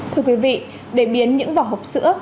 thưa quý vị để biến những vỏ hộp sữa